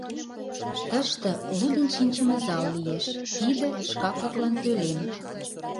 — Тыште лудын шинчыме зал лиеш, тиде — шкаф-влаклан пӧлем.